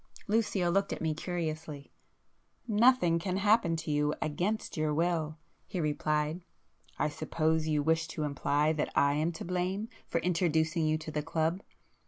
Lucio looked at me curiously. "Nothing can happen to you against your will"—he replied; "I suppose you wish to imply that I am to blame for introducing you to the club?